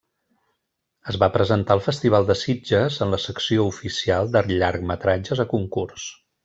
Es va presentar al Festival de Sitges en la Secció oficial de llargmetratges a concurs.